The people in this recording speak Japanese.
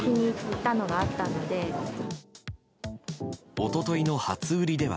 一昨日の初売りでは。